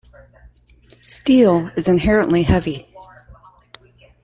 Steel is inherently heavy.